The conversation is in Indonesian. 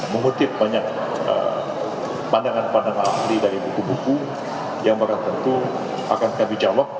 mengutip banyak pandangan pandangan ahli dari buku buku yang akan tentu akan kami jawab